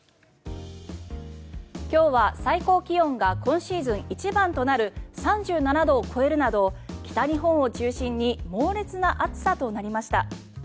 今日は最高気温が今シーズン一番となる３７度を超えるなど北日本を中心に猛烈な暑さとなりました。